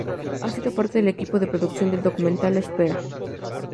Ha sido parte del equipo de producción del documental, "La Espera.